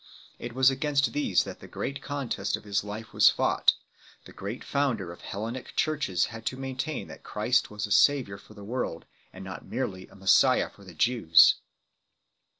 It was against these that the great contest of his life was fought ; the great founder of Hellenic Churches had to maintain that Christ was a Saviour for the world, and not merely a Messiah for the Jews.